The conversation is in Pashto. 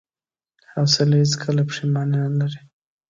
حوصله هیڅکله پښېماني نه لري.